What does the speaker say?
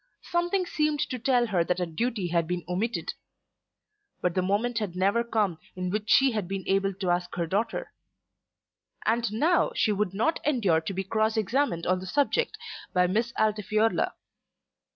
Something seemed to tell her that a duty had been omitted. But the moment had never come in which she had been able to ask her daughter. And now she would not endure to be cross examined on the subject by Miss Altifiorla.